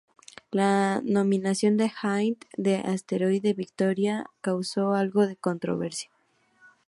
La nominación de Hind del asteroide Victoria causó algo de controversia.